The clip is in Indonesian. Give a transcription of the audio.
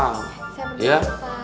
saya berdua pak